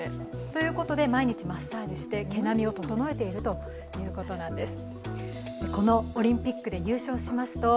ということで、毎日マッサージして毛並みを整えているということなんです。